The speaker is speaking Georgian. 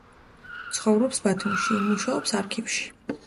ცხოვრობს ბათუმში, მუშაობს არქივში.